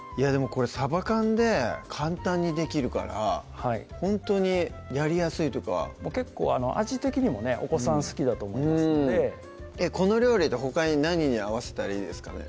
これサバ缶で簡単にできるからほんとにやりやすいというか結構味的にもねお子さん好きだと思いますのでこの料理だとほかに何に合わせたらいいですかね？